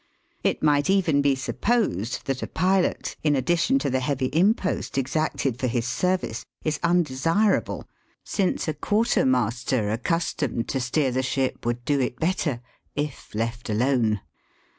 It might even be supposed that a pilot, in addition to the heavy impost exacted for his service, is undesirable, since a quarter master accustomed to steer the ship would do it better if left alone.